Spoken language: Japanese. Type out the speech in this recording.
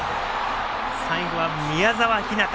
最後は宮澤ひなた！